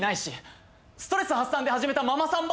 ストレス発散で始めたママさん